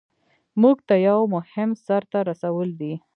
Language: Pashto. مونږ ته یو مهم سر ته رسول دي.